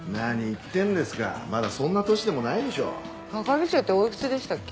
係長っておいくつでしたっけ？